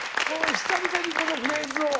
久々にこのフレーズを。